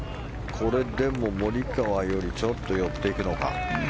これでもモリカワよりちょっと寄っていくのか。